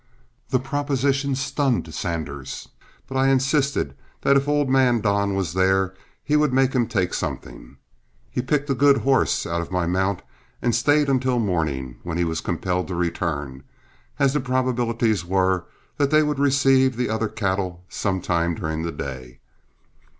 The proposition stunned Sanders, but I insisted that if old man Don was there, he would make him take something. He picked a good horse out of my mount and stayed until morning, when he was compelled to return, as the probabilities were that they would receive the other cattle some time during the day.